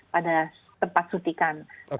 pada tempat sutikan